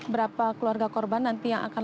berapa keluarga korban nanti yang akan